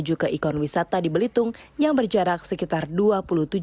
tuh seperti sesuatu bagian dari barang barang program yang ketiga dan yang cmcapal pada riley